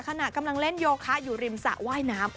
ขณะกำลังเล่นโยคะอยู่ริมสระว่ายน้ำ